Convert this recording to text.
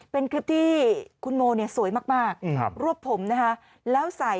เป็นคลิปที่คุณโมเนี่ยสวยมากรวบผมนะคะแล้วใส่